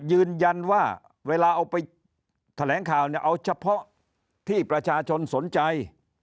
ยืนยันว่าเวลาเอาไปแถลงข่าวเนี่ยเอาเฉพาะที่ประชาชนสนใจ